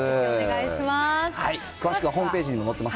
お願いします。